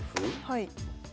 はい。